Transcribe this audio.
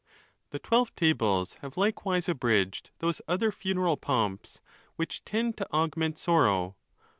XXIV. The Twelve Tables have likewise abridged those other funeral pomps which tend to augment sorrow.